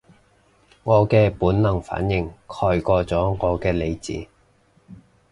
我嘅本能反應蓋過咗我嘅理智